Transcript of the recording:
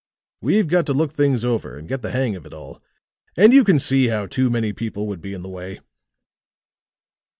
We've got to look things over, and get the hang of it all, and you can see how too many people would be in the way."